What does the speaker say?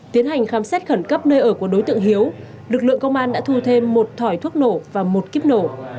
tiến hành khám xét khẩn cấp nơi ở của đối tượng hiếu lực lượng công an đã thu thêm một thỏi thuốc nổ và một kíp nổ